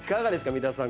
三田さん